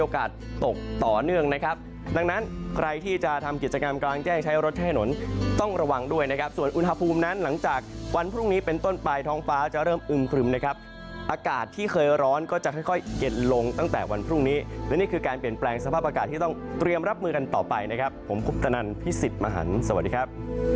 ก็จะค่อยเก็นลงตั้งแต่วันพรุ่งนี้และนี่คือการเปลี่ยนแปลงสภาพอากาศที่ต้องเตรียมรับมือกันต่อไปนะครับผมคุณตนันพิสิทธิ์มหันสวัสดีครับ